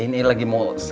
ini lagi minta ya